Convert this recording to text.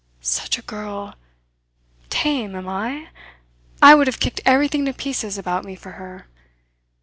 "Such a girl! Tame, am I? I would have kicked everything to pieces about me for her.